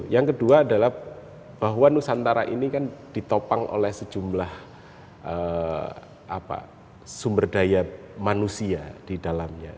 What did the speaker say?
yang kedua adalah bahwa nusantara ini kan ditopang oleh sejumlah sumber daya manusia di dalamnya